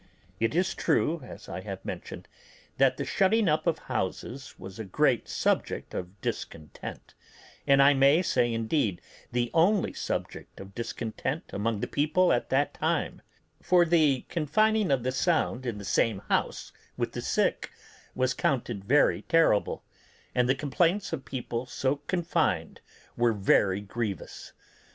It is true, as I have mentioned, that the shutting up of houses was a great subject of discontent, and I may say indeed the only subject of discontent among the people at that time; for the confining the sound in the same house with the sick was counted very terrible, and the complaints of people so confined were very grievous.